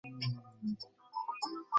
মলি, ওরা আমাদের খুন করতে চেয়েছিল।